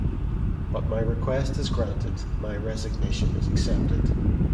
But my request is granted, my resignation is accepted.